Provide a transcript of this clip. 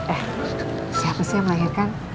eh siapa sih yang melahirkan